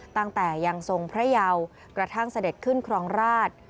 ตั้งแต่ยังทรงพระเยากระทั่งเสด็จขึ้นครองราช